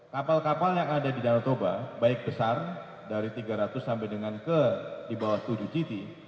kapal kapal yang ada di danau toba baik besar dari tiga ratus sampai dengan ke di bawah tujuh titik